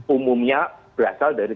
umumnya berasal dari